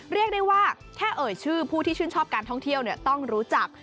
เรียกได้ว่าแค่เอ่ยชื่อผู้ที่ชื่นชอบการท่องเที่ยวต้องรู้จัก